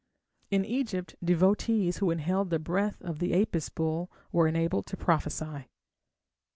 In Egypt devotees who inhaled the breath of the Apis bull were enabled to prophesy.